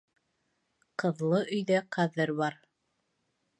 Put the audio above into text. Ҡыҙлы өйҙә ҡәҙер бар.